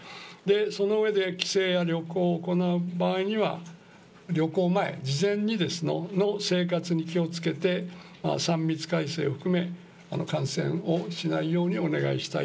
その上で帰省や旅行を行う場合には、旅行前、事前の生活に気をつけて、３密回避を含め、この感染をしないようにお願いしたい。